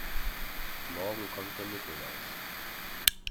Morgen kommt der Nikolaus.